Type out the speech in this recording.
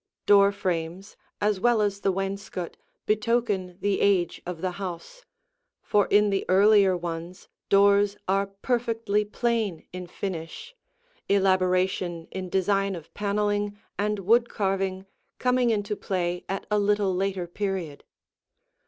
Door frames as well as the wainscot betoken the age of the house, for in the earlier ones doors are perfectly plain in finish, elaboration in design of paneling and wood carving coming into play at a little later period.